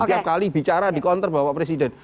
tiap kali bicara dikonter bapak presiden